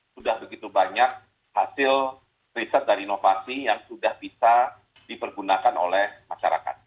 sudah begitu banyak hasil riset dan inovasi yang sudah bisa dipergunakan oleh masyarakat